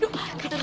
aduh bentar sabro